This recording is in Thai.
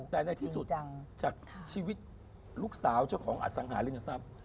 แต่ในที่สุดจากชีวิตลูกสาวเจ้าของอสังหารินทรัพย์